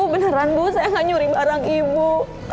beneran bu saya nggak nyuri barang ibu